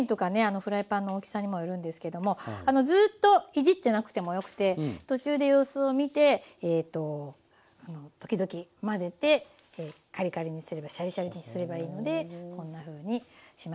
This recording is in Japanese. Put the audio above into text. フライパンの大きさにもよるんですけれどもずっといじってなくてもよくて途中で様子を見て時々混ぜてカリカリにすればシャリシャリにすればいいのでこんなふうにします。